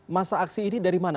masa aksi ini dari mana